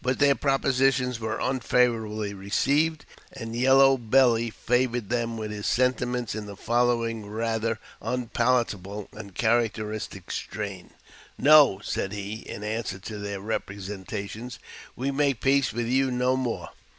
299 their propositions were unfavourably received, and Yellow Belly favoured them with his sentiments in the following rather unpalatable and characteristic strain : "No," said he, in answer to their representations, "we make peace with you no more.